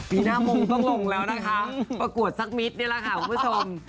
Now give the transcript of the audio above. ปีหน้ามงต้องลงแล้วนะคะประกวดสักมิตรนี่แหละค่ะคุณผู้ชม